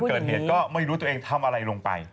เกิดเหตุก็ไม่รู้ตัวเองทำอะไรลงไป